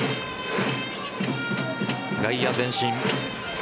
外野前進。